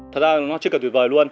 thật ra nó chất lượng tuyệt vời luôn